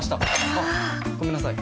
あっごめんなさい。